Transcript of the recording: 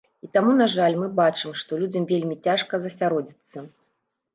І таму, на жаль, мы бачым, што людзям вельмі цяжка засяродзіцца.